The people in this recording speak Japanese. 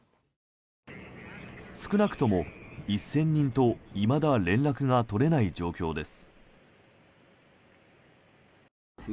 少なくとも１０００人といまだ連絡が取れない状況です。